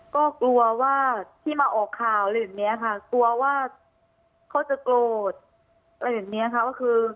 ก็กลัวว่าที่มาออกข่าวอะไรแบบนี้ค่ะกลัวว่าเขาจะโกรธอะไรแบบนี้ค่ะก็คือ